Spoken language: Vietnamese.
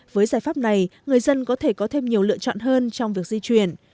với giải pháp này người dân có thể có thêm nhiều lựa chọn hơn trong việc di chuyển